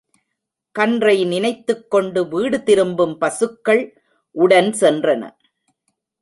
கன்றை நினைத்துக் கொண்டு விடுதிரும்பும் பசுக்கள் உடன் சென்றன.